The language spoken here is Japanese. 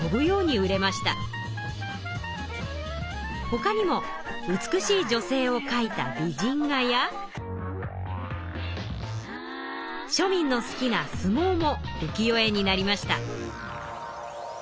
ほかにも美しい女性を描いた美人画や庶民の好きな相撲も浮世絵になりました。